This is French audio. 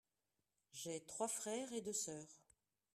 J'ai trois frères et deux sœurs.